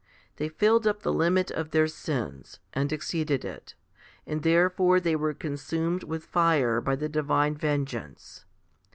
They filled up the limit of their sins, and exceeded it ; and therefore they were consumed with fire by the divine vengeance.